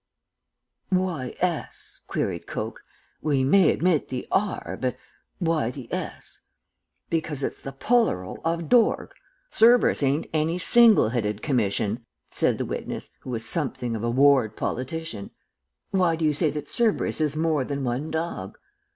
"'Why s?' queried Coke. 'We may admit the r, but why the s?' "'Because it's the pullural of dorg. Cerberus ain't any single headed commission,' said the witness, who was something of a ward politician. "'Why do you say that Cerberus is more than one dog?'